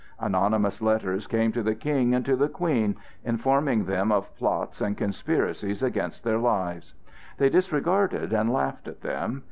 Anonymous letters came to the King and to the Queen informing them of plots and conspiracies against their lives; they disregarded and laughed at them.